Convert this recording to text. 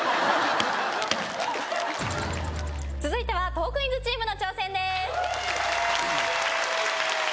続いてはトークィーンズチームの挑戦です。